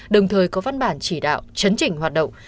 đồng thời có văn bản chỉ đạo chấn chỉnh hoạt động